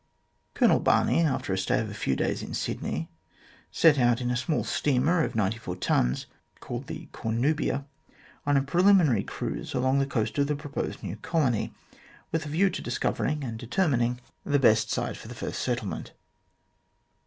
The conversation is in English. Colonel Barney, after a stay of a few days in Sydney, set out in a small steamer of ninety four tons, called the Cornulia, on a preliminary cruise along the coast of the proposed new colony, with a view to discovering and determining the best 37 38 THE GLADSTONE COLONY site for the first settlement.